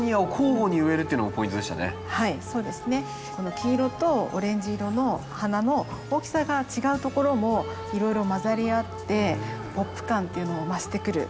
黄色とオレンジ色の花の大きさが違うところもいろいろ混ざり合ってポップ感っていうのも増してくると思いませんか？